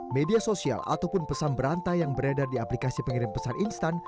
media sosial ataupun pesan berantai yang beredar di aplikasi pengirim pesan instan